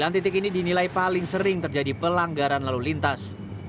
sembilan titik ini dinilai paling sering terjadi pelanggaran lalu lintas